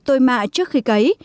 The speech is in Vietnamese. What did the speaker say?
thôi mạ trước khi cấy